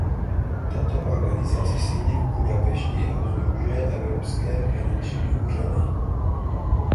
Tato organizace sídlí v Budapešti a sdružuje evropské finanční úřady.